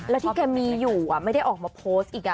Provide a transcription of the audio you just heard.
แล้วที่แกมีอยู่ไม่ได้ออกมาโพสต์อีก